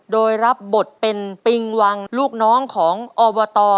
โดยรับบทเป็นปิงวังลูกน้องของอบต